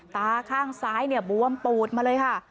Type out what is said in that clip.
ตาข้างซ้ายเนี่ยบวมปูดมาเลยค่ะ